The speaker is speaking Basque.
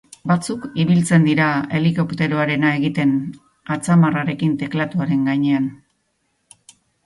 Batzuk ibiltzen dira helikopteroarena egiten atzamarrarekin teklatuaren gainean.